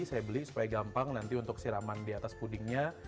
saya beli supaya gampang nanti untuk siraman di atas pudingnya